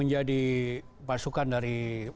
jadi masukan dari